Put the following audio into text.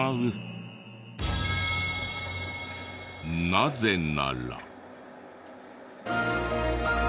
なぜなら。